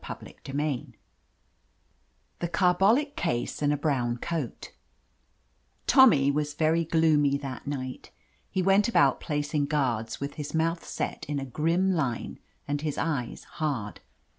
CHAPTER XII THE CARBOUC CASE AKD A BROWN COAT TOMMY was very gloomy that night. He went about placing guards, with his mouth set in a grim line and his eyes hard.